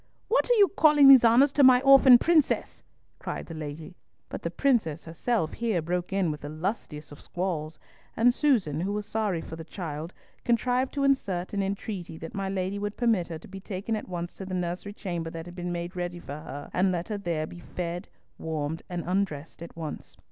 What are you calling these honours to my orphan princess?" cried the lady, but the princess herself here broke in with the lustiest of squalls, and Susan, who was sorry for the child, contrived to insert an entreaty that my lady would permit her to be taken at once to the nursery chamber that had been made ready for her, and let her there be fed, warmed, and undressed at once.